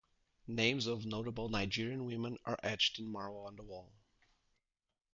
Names of notable Nigerian women are etched in marble on the wall.